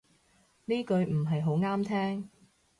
呢句唔係好啱聽